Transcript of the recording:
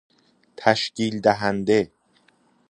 تشکیل دهنده